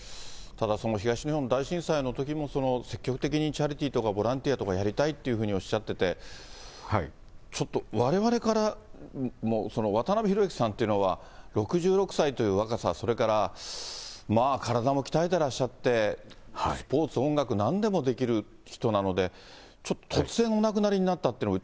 ただその東日本大震災のときも、積極的にチャリティーとかボランティアとか、やりたいっていうふうにおっしゃってて、ちょっとわれわれからも、渡辺裕之さんっていうのは、６６歳という若さ、それから体も鍛えてらっしゃって、スポーツ、音楽、なんでもできる人なので、ちょっと突然お亡くなりになったというのが、